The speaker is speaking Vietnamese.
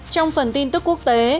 trong phần tin tức quốc tế